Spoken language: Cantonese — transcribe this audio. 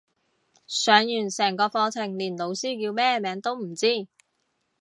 上完成個課程連老師叫咩名都唔知